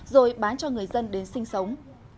rồi bán cho người dân đến sinh sống